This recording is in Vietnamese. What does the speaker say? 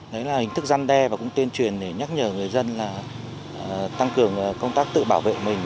đấy là hình thức gian đe và cũng tuyên truyền để nhắc nhở người dân là tăng cường công tác tự bảo vệ mình